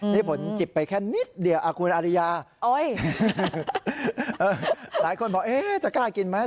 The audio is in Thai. ได้ผลจิบไปแค่นิดเดียวอ้อยหลายคนบอกเอ๊ะจะกล้ากินไหม